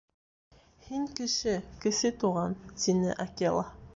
— Һин кеше, Кесе Туған, — тине Акела.